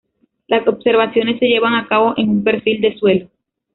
Las observaciones se llevan a cabo en un perfil de suelo.